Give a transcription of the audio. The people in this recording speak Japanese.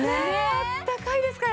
あったかいですから。